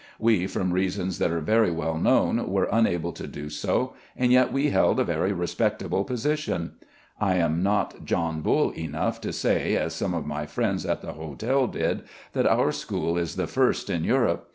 We, from reasons that are very well known, were unable to do so, and yet we held a very respectable position. I am not John Bull enough to say, as some of my friends at the hotel did, that our school is the first in Europe.